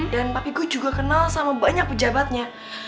dan papi gue juga kenal sama banyak pejabatnya